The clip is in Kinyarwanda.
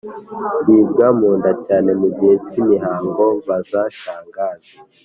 Ndibwa munda cyane mu gihe cy'imihango-Baza Shangazi